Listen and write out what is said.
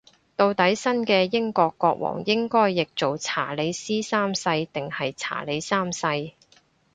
到底新嘅英國國王應該譯做查理斯三世定係查理三世